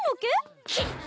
きっ！